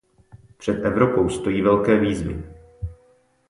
Před Evropou stojí velké výzvy.